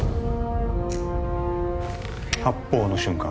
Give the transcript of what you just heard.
発砲の瞬間